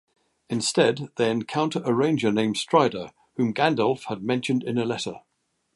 Instead, they encounter a Ranger named Strider, whom Gandalf had mentioned in a letter.